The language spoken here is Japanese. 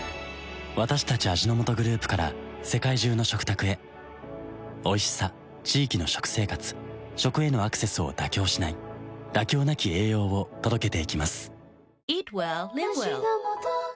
私たち味の素グループから世界中の食卓へおいしさ地域の食生活食へのアクセスを妥協しない「妥協なき栄養」を届けていきます